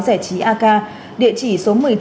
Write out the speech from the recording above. rẻ trí ak địa chỉ số một mươi chín